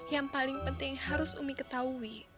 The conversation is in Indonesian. yang paling penting harus umi ketahui